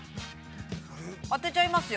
当てちゃいますよ。